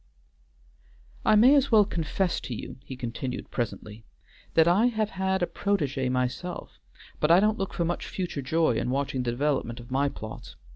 "I may as well confess to you," he continued presently, "that I have had a protégé myself, but I don't look for much future joy in watching the development of my plots.